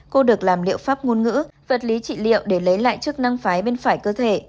cô được làm liệu pháp ngôn ngữ vật lý trị liệu để lấy lại chức năng phái bên phải cơ thể